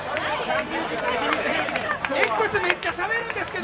Ｘ、めっちゃしゃべるんですけど！